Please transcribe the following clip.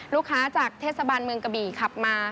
ลูกค้าจากเทศบาลเมืองกะบี่ขับมา